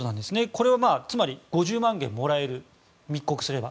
これはつまり５０万元もらえる密告すると。